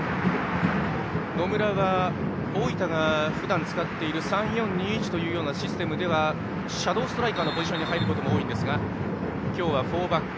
野村は、大分がふだん使っている３−４−２−１というシステムではシャドーストライカーのポジションに入ることも多いですが今日はフォーバック。